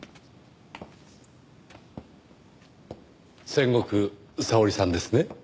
千石佐織さんですね？